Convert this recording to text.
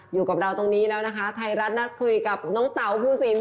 อยู่กับเราตรงนี้แล้วนะคะไทยรัฐนัดคุยกับน้องเต๋าภูสิน